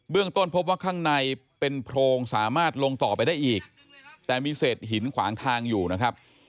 ต้นพบว่าข้างในเป็นโพรงสามารถลงต่อไปได้อีกแต่มีเศษหินขวางทางอยู่นะครับ